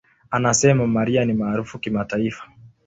Anasema, "Mariah ni maarufu kimataifa.